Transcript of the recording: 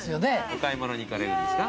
お買い物に行かれるんですか？